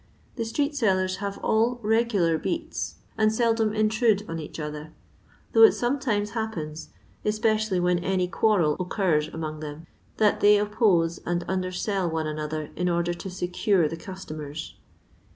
The stree^sellers have all reguUr beats, and seldom intrude on each other, though it sometimes happens, especially when any quarrel occurs among them, that they oppose and undersell one another in order to secure the customers.